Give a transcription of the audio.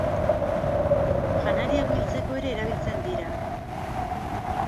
Janariak biltzeko ere erabiltzen dira.